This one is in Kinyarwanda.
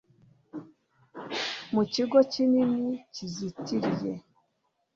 mu kigo kinini kizitiriye